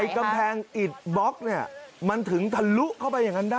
กำแพงอิดบล็อกเนี่ยมันถึงทะลุเข้าไปอย่างนั้นได้